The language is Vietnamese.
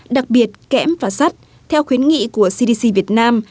đặc biệt kẽm và sắt theo khuyến nghị của cdc việt nam